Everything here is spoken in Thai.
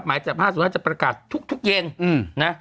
หมายจับ๕๐๕จะประกาศทุกเย็นนะ